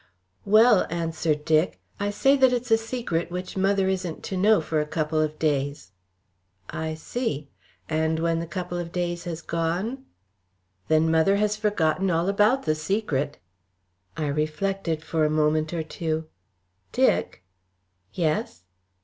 "Well," answered Dick, "I say that it's a secret which mother isn't to know for a couple of days." "I see. And when the couple of days has gone? "Then mother has forgotten all about the secret." I reflected for a moment or two. "Dick." "Yes."